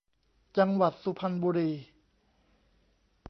จังหวัดสุพรรณบุรี